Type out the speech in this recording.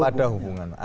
tetap ada hubungannya